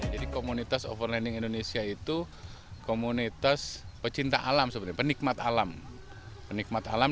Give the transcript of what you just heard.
jadi komunitas overlanding indonesia itu komunitas pecinta alam sebenarnya penikmat alam